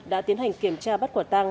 đã tiến hành kiểm tra bắt quả tang